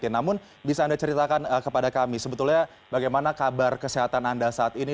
namun bisa anda ceritakan kepada kami sebetulnya bagaimana kabar kesehatan anda saat ini